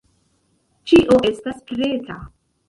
Ĉio estas preta.